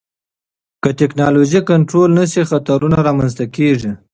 که ټکنالوژي کنټرول نشي، خطرونه رامنځته کېږي.